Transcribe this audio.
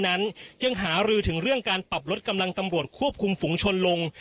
นั้นยังหารือถึงเรื่องการปรับลดกำลังตำรวจควบคุมฝุงชนลง